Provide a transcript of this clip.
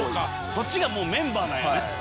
そっちがもうメンバーなんやね。